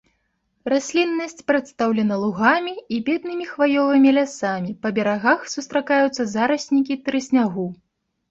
Расліннасць прадстаўлена лугамі і беднымі хваёвымі лясамі, па берагах сустракаюцца зараснікі трыснягу.